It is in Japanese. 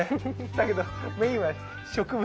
だけどメインは植物。